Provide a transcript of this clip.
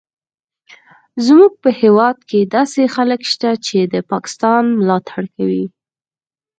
زموږ په هیواد کې داسې خلک شته چې د پاکستان ملاتړ کوي